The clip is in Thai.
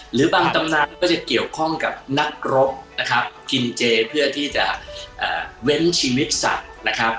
หรือบางตำนานก็จะเกี่ยวข้องกับนักรบนะครับกินเจเพื่อที่จะเว้นชีวิตสัตว์นะครับ